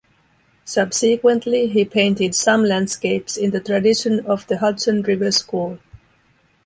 Subsequently he painted some landscapes in the tradition of the Hudson River School.